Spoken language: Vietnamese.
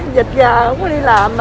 dịch già không có đi làm